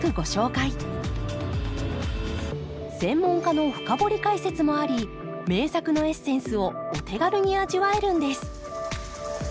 専門家の深掘り解説もあり名作のエッセンスをお手軽に味わえるんです